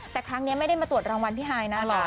แต่ครั้งนี้ไม่ได้มาตรวจรางวัลพี่ฮายนะ